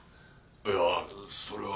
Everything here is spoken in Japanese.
いやそれは。